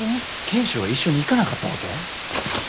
賢秀は一緒に行かなかったわけ？